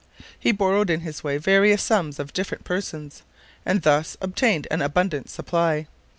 He borrowed in this way various sums of different persons, and thus obtained an abundant supply.